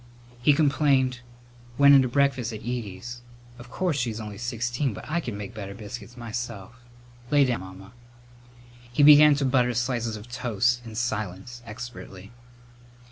He complained: "Went in to breakfast at Edie's. Of course she's only sixteen, but I could make better biscuits myself. Lay down, Mamma." He began to butter slices of toast, in silence, expertly.